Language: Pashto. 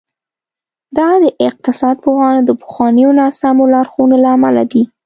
دا د اقتصاد پوهانو د پخوانیو ناسمو لارښوونو له امله دي.